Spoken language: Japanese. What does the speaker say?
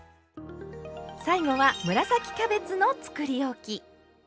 最後は紫キャベツのつくりおき。